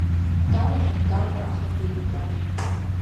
Далахәын Гагра ахақәиҭтәра.